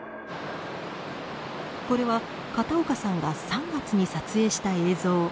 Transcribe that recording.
これは片岡さんが３月に撮影した映像。